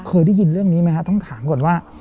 เคยได้ยินเรื่องนี้ไหมครับต้องถามก่อนว่า